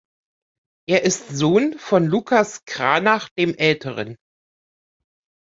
Er ist Sohn von Lucas Cranach dem Älteren.